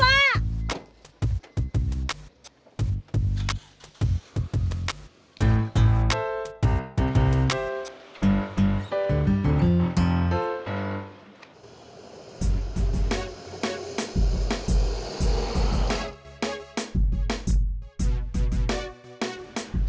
jangan tambah krepa